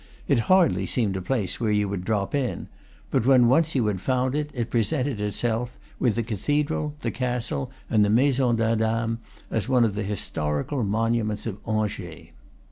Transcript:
It hardly seemed a place where you would drop in; but when once you had found it, it presented itself, with the cathedral, the castle, and the Maison d'Adam, as one of the historical monuments of Angers.